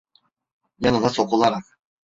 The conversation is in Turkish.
Yanına sokularak.